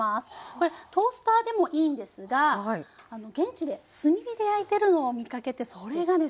これトースターでもいいんですがあの現地で炭火で焼いてるのを見かけてそれがね